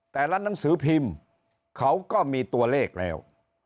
หนังสือพิมพ์เขาก็มีตัวเลขแล้ว